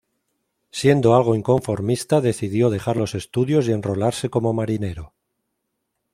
Siendo algo inconformista decidió dejar los estudios y enrolarse como marinero.